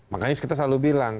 makanya kita selalu bilang